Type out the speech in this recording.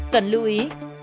cần lưu ý